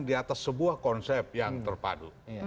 di atas sebuah konsep yang terpadu